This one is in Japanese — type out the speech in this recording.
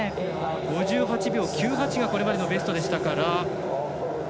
５８秒９８がこれまでのベストでした。